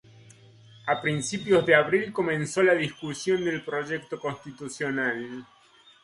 A principios de abril comenzó la discusión del proyecto constitucional.